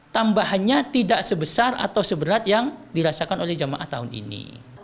tambahannya tidak sebesar atau seberat yang dirasakan oleh jamaah tahun ini